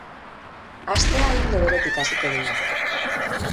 Astea ildo beretik hasiko dugu.